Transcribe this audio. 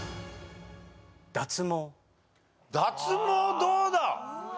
脱毛どうだ？